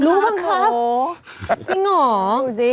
ลูกบังคับ